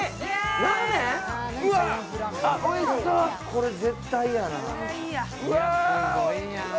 これ、絶対やな。